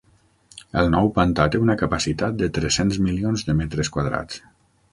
El nou pantà té una capacitat de tres-cents milions de metres quadrats.